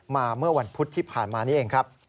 เมื่อวันพุธที่ผ่านมานี้เองครับ